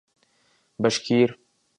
Bashkir